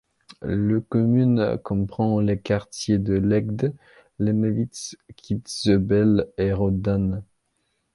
Le commune comprend les quartiers de Legde, Lennewitz, Quitzöbel et Roddan.